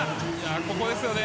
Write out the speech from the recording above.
ここですよね。